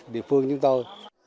địa phương chúng tôi